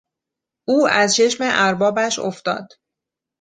او از چشم اربابش افتاد.